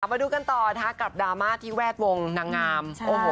มาดูกันต่อนะคะกับดราม่าที่แวดวงนางงาม